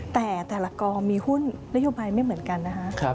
แต่แต่ละกองมีหุ้นนโยบายไม่เหมือนกันนะคะ